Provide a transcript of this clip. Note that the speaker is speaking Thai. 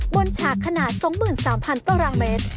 บนฉากขนาด๒๓๐๐๐ตรเมตร